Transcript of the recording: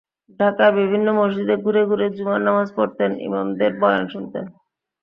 ঢাকার বিভিন্ন মসজিদে ঘুরে ঘুরে জুমার নামাজ পড়তেন, ইমামদের বয়ান শুনতেন।